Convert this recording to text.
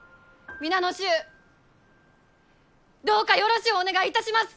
今後ともどうぞよろしゅうお願いいたします！